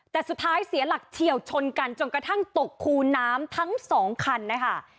แต่สุดท้ายเสียหลักเฉียวชนกันจนกระทั่งตกคูน้ำทั้งสองคันนะคะ